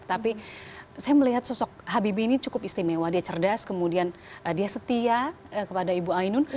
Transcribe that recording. tapi saya melihat sosok habibie ini cukup istimewa dia cerdas kemudian dia setia kepada ibu ainun